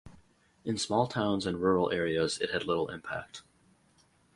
In small towns and rural areas it had little impact.